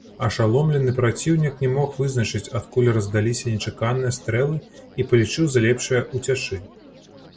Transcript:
Ашаломлены праціўнік не мог вызначыць, адкуль раздаліся нечаканыя стрэлы і палічыў за лепшае ўцячы.